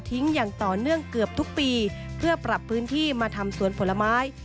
อย่างต่อเนื่องเกือบทุกปีเพื่อปรับพื้นที่มาทำสวนผลไม้